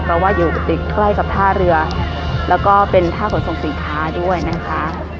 เพราะว่าอยู่ติดใกล้กับท่าเรือแล้วก็เป็นท่าขนส่งสินค้าด้วยนะคะ